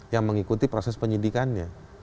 yang mengikuti proses penyidikannya